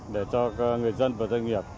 để cho người dân và doanh nghiệp